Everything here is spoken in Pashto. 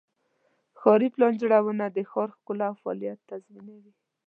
ښاري پلان جوړونه د ښار ښکلا او فعالیت تضمینوي.